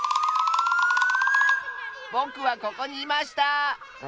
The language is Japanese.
ぼくはここにいました！